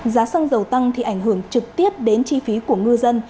giá xăng dầu tăng thì ảnh hưởng trực tiếp đến chi phí của ngư dân